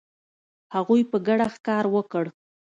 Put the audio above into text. هغوی په ګډه ښکار وکړ.